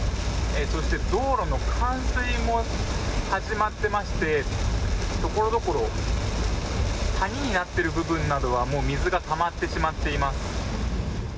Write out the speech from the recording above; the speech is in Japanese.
そして道路の冠水も始まってまして所々、谷になっている部分などは水がたまってしまっています。